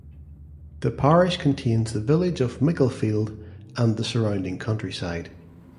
The parish contains the village of Micklefield and the surrounding countryside.